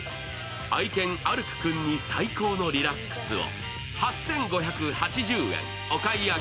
愛犬アルク君に最高のリラックスを。